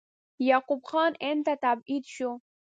یعقوب خان هند ته تبعید شو.